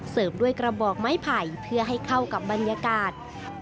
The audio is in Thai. ด้วยกระบอกไม้ไผ่เพื่อให้เข้ากับบรรยากาศ